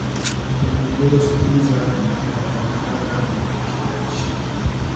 د اوبو ستونزه تر یوه حده حل کیدای شي.